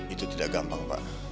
itu tidak gampang pak